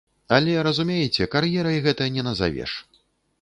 Але, разумееце, кар'ерай гэта не назавеш.